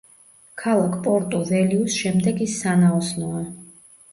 ქალაქ პორტუ-ველიუს შემდეგ ის სანაოსნოა.